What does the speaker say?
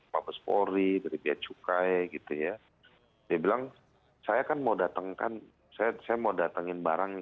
pabes polri dari pihak cukai gitu ya dia bilang saya kan mau datangkan saya mau datangin barang